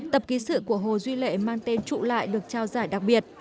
tập ký sự của hồ duy lệ mang tên trụ lại được trao giải đặc biệt